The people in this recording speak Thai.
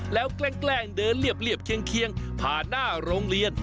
แล้วแกล้งเดินเรียบเคียงผ่านหน้าโรงเรียน